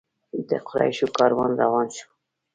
د قریشو کاروان روان شو.